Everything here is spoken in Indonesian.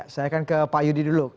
saya akan ke pak yudi dulu